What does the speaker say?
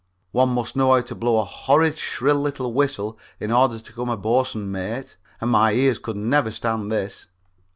One must know how to blow a horrid shrill little whistle in order to become a boatswain mate, and my ears could never stand this.